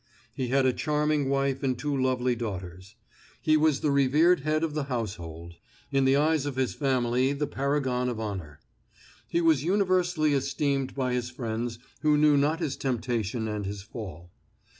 He had a charming wife and two lovely daughters. He was the revered head of the household; in the eyes of his family the paragon of honor. He was universally esteemed by his friends, who knew not his temptation and his fall.